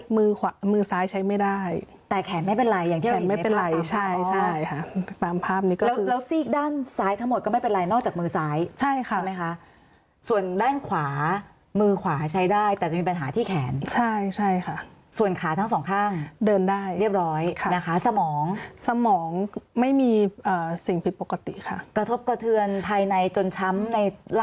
มือซ้ายใช้ไม่ได้แต่แขนไม่เป็นไรอย่างที่บอกไม่เป็นไรใช่ใช่ค่ะตามภาพนี้ก็เลยแล้วซีกด้านซ้ายทั้งหมดก็ไม่เป็นไรนอกจากมือซ้ายใช่ค่ะใช่ไหมคะส่วนด้านขวามือขวาใช้ได้แต่จะมีปัญหาที่แขนใช่ใช่ค่ะส่วนขาทั้งสองข้างเดินได้เรียบร้อยนะคะสมองสมองไม่มีสิ่งผิดปกติค่ะกระทบกระเทือนภายในจนช้ำในร